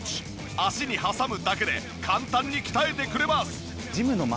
脚に挟むだけで簡単に鍛えてくれます。